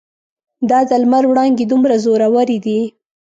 دا د لمر وړانګې دومره زورورې دي.